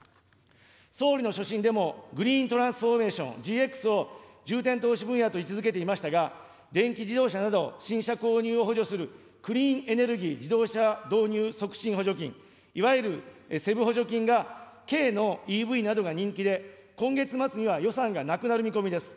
総理の所信でも、グリーントランスフォーメーション・ＧＸを重点投資分野と位置づけていましたが、電気自動車など、新車購入を補助するクリーンエネルギー自動車導入促進補助金、いわゆるＣＥＶ補助金が軽のＥＶなどが人気で、今月末予算がなくなる見込みです。